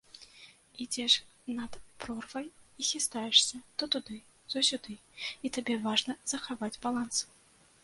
Ідзеш над прорвай і хістаешся то туды, то сюды, і табе важна захаваць баланс.